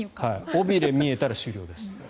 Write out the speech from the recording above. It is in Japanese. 尾びれが見えたら終了です。